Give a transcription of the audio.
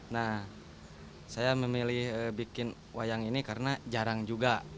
nah saya memilih bikin wayang ini karena jarang juga